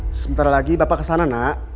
sebentar lagi bapak kesana nak